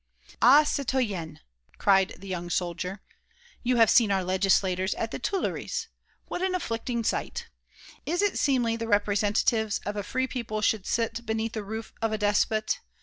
"Ah! citoyenne," cried the young soldier, "you have seen our Legislators at the Tuileries. What an afflicting sight! Is it seemly the Representatives of a free people should sit beneath the roof of a despot?